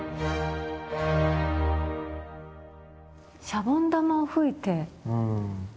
シャボン玉を吹いて。